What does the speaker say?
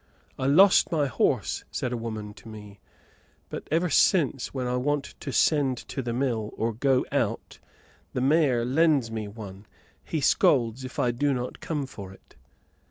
"I lost my horse," said a woman to me, "but ever since, when I want to send to the mill, or go out, the Mayor lends me one. He scolds if I do not come for it."